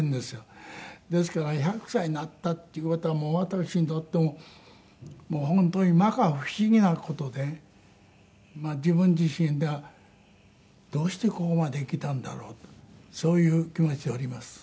ですから１００歳になったっていう事は私にとっても本当にまか不思議な事で自分自身ではどうしてここまで生きたんだろうとそういう気持ちでおります。